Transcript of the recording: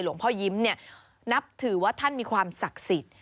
หลวงพ่อยิ้มนับถือว่าท่านมีความศักดิ์สิทธิ์